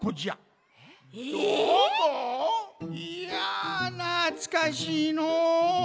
いやなつかしいのう。